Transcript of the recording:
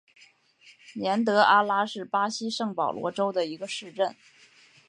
年德阿拉是巴西圣保罗州的一个市镇。